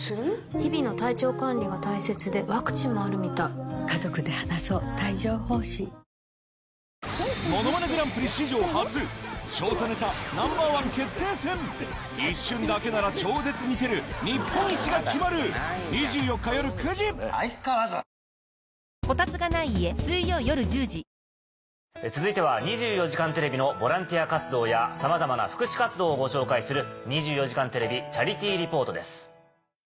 日々の体調管理が大切でワクチンもあるみたい続いては『２４時間テレビ』のボランティア活動やさまざまな福祉活動をご紹介する。